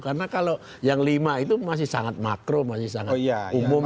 karena kalau yang lima itu masih sangat makro masih sangat umum